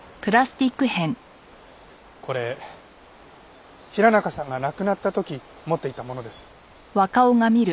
これ平中さんが亡くなった時持っていたものです。